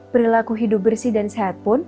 perilaku hidup bersih dan sehat pun